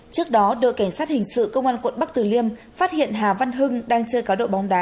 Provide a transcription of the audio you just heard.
trước đó đội cảnh sát hình sự công an quận bắc từ liêm phát hiện hà văn hưng đang chơi cá đậu bóng đá